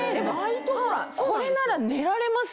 これなら寝られますよね。